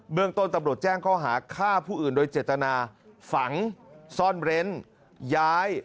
เมืองต้นตำรวจแจ้งข้อหาฆ่าผู้อื่นโดยเจตนาฝังซ่อนเร้นย้าย